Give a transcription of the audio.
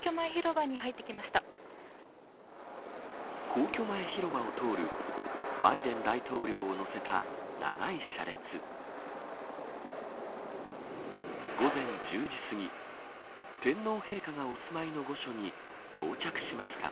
皇居前広場を通るバイデン大統領を乗せた長い車列午前１０時すぎ天皇陛下がお住まいの御所に到着しました。